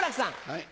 はい。